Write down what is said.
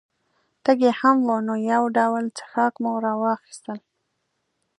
تږي هم وو، نو یو ډول څښاک مو را واخیستل.